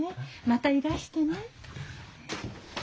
またいらしてね。